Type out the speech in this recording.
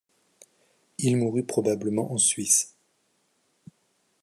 Il mourut probablement en Suisse.